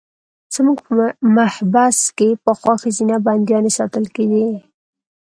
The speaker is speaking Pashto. زموږ په محبس کې پخوا ښځینه بندیانې ساتل کېدې.